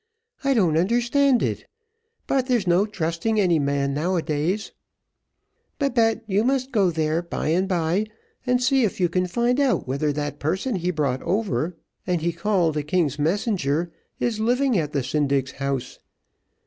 "I don't understand it. But there is no trusting any man now a days. "Babette, you must go there by and bye and see if you can find out whether that person he brought over, and he called a king's messenger, is living at the syndic's house.